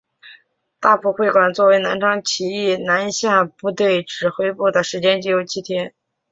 大埔会馆作为南昌起义南下部队指挥部的时间仅有七日。